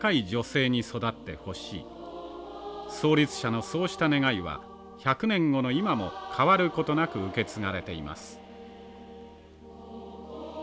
創立者のそうした願いは１００年後の今も変わることなく受け継がれています。